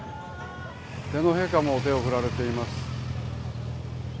天皇陛下も手を振られています。